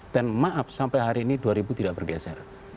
dan maaf sampai hari ini dua ribu tidak bergeser